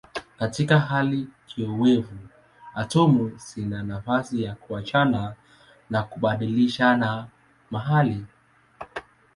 Katika hali kiowevu atomu zina nafasi ya kuachana na kubadilishana mahali.